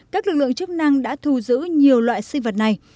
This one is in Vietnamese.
các lực lượng chức năng đã thù giữ nhiều loại sinh vật này